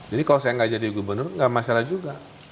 jadi kalau saya gak jadi gubernur gak masalah juga